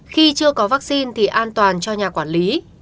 khi chưa có vaccine thì an toàn cho nhà quản lý